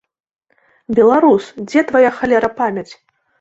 Беларус, дзе твая, халера, памяць?!